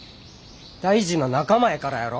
大事な仲間やからやろ！